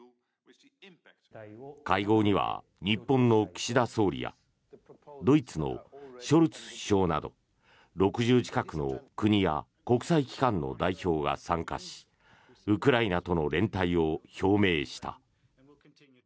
会合には日本の岸田総理やドイツのショルツ首相など６０近くの国や国際機関の代表が参加しウクライナとの連帯を表明した。